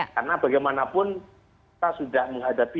karena bagaimanapun kita sudah menghadapi